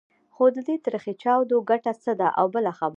خو د دې تریخې چاودو ګټه څه ده؟ او بله خبره.